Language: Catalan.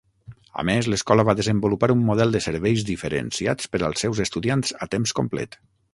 A més, l'escola va desenvolupar un model de serveis diferenciats per als seus estudiants a temps complet.